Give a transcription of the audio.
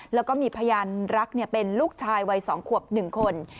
แล้วก็มีพญานรักเป็นลูกชายวัยสองขวบหนึ่งคน